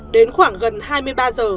đến khoảng gần hai mươi ba giờ